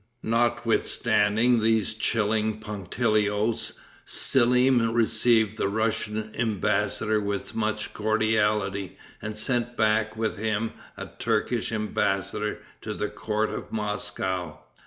Notwithstanding these chilling punctilios, Selim received the Russian embassador with much cordiality, and sent back with him a Turkish embassador to the court of Moscow.